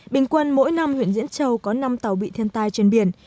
bình quân mỗi năm huyện diễn châu có năm tàu bị thiên tai trên biển